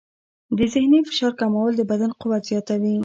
د ذهني فشار کمول د بدن قوت زیاتوي.